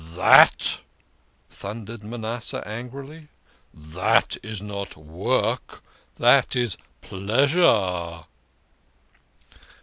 " That !" thundered Manasseh angrily, " That is not work ! That is pleasure